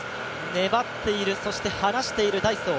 粘っている、そして離しているダイソー。